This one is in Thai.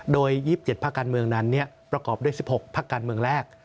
โดย๒๗พักการเมืองนั้นประกอบด้วย๑๖พักการเมืองแรก